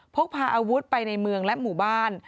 พกพาอาวุธไปในเมืองและหมู่บ้าน